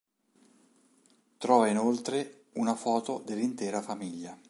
Trova inoltre, una foto dell'intera famiglia.